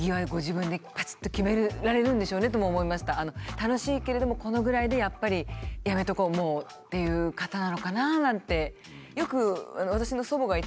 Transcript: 楽しいけれどもこのぐらいでやっぱりやめとこうもうっていう方なのかな？なんて。